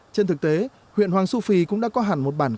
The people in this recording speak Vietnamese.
trên thực tế huyện hoàng su phi cũng đã có hẳn một bộ truyền thống